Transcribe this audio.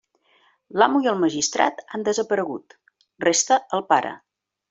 L'amo i el magistrat han desaparegut; resta el pare.